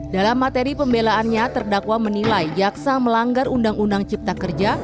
dalam materi pembelaannya terdakwa menilai jaksa melanggar undang undang cipta kerja